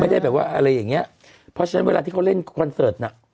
ไม่ได้แบบว่าอะไรอย่างเงี้ยเพราะฉะนั้นเวลาที่เขาเล่นคอนเสิร์ตน่ะ